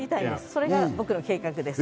それが僕の計画です。